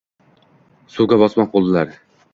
Suvga bosmoq bo’ldilar.